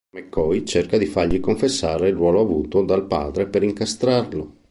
McCoy cerca di fargli confessare il ruolo avuto dal padre per incastrarlo.